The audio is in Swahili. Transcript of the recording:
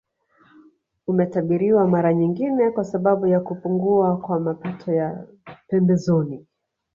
Umetabiriwa mara nyingine kwa sababu ya kupungua kwa mapato ya pembezoni